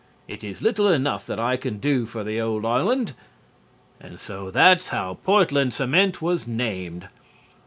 It is little enough that I can do for the old island." And so that's how Portland cement was named.